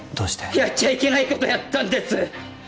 やっちゃいけないことやったんです！